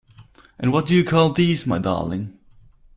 And what do you call these, my darling?